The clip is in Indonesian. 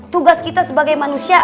tugas kita sebagai manusia